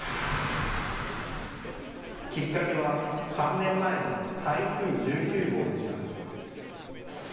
きっかけは３年前の台風１９号でした。